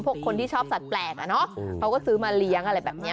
คนที่ชอบสัตว์แปลกอ่ะเนอะเขาก็ซื้อมาเลี้ยงอะไรแบบนี้